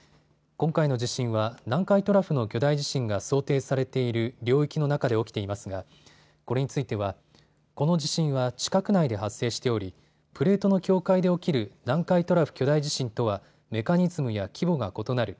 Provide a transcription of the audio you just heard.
今回の地震は南海トラフの巨大地震が想定されている領域の中で起きていますがこれについてはこの地震は地殻内で発生しておりプレートの境界で起きる南海トラフ巨大地震とは、メカニズムや規模が異なる。